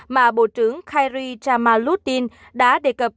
mà bộ trưởng khairi jamaluddin đã đề cập